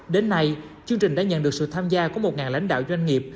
đến nay chương trình đã nhận được sự tham gia của một lãnh đạo doanh nghiệp